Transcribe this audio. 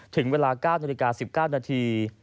ถึงเวลา๙นาฬิกา๑๙นาที